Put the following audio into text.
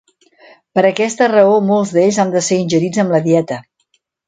Per aquesta raó molts d'ells han de ser ingerits amb la dieta.